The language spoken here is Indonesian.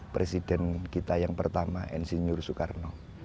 presiden kita yang pertama ensign yur sukarno